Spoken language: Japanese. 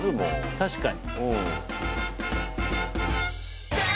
確かに。